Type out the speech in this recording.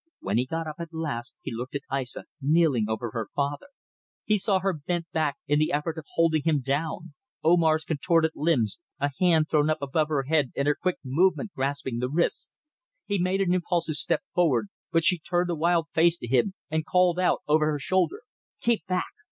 When he got up at last he looked at Aissa kneeling over her father, he saw her bent back in the effort of holding him down, Omar's contorted limbs, a hand thrown up above her head and her quick movement grasping the wrist. He made an impulsive step forward, but she turned a wild face to him and called out over her shoulder "Keep back!